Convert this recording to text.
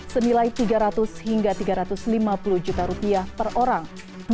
senilai tiga ratus hingga tiga ratus lima puluh juta rupiah per orang